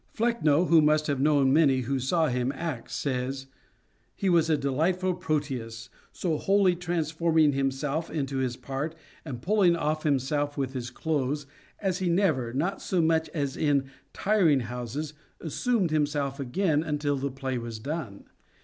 Flecknoe, who must have known many who saw him act, says — He was a delightful Proteus, so wholly transforming himself into his part and puUing ofi himself with his clothes as he never, not so much as in the " tiring " house, assumed himself again until the play was done.